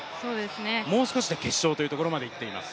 もう少しで決勝というところまでいっています。